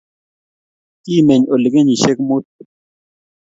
kimeny oli kenyishek mut